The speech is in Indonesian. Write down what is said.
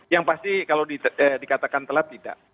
yang pasti kalau dikatakan telat tidak